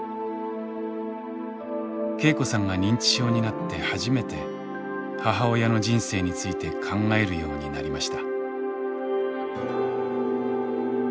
恵子さんが認知症になって初めて母親の人生について考えるようになりました。